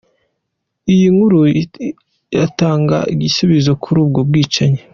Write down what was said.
Iyi nkuru iratanga igisubizo kuri ubwo bwicanyi.